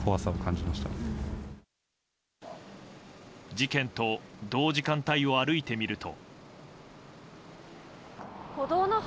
事件と同時間帯を歩いてみると。